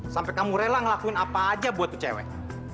sampai kamu rela ngelakuin apa aja buat tuh cewek